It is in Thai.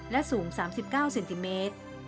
และสูง๓๙เซนติเมตร